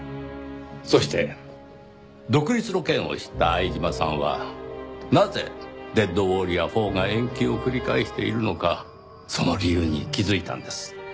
そして独立の件を知った相島さんはなぜ『デッドウォーリア４』が延期を繰り返しているのかその理由に気づいたんです。